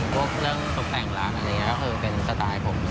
พวกเรื่องตกแต่งร้านอะไรอย่างนี้ก็คือเป็นสไตล์ผม